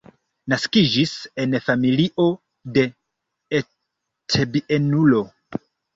Naskiĝis en familio de et-bienulo.